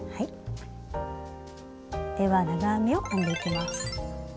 では長編みを編んでいきます。